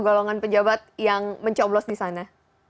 golongan pejabat yang mencoblos di sana